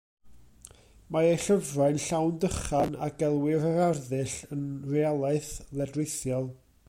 Mae ei llyfrau'n llawn dychan, a gelwir yr arddull yn realaeth ledrithiol.